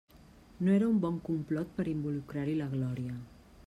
No era un bon complot per involucrar-hi la Glòria!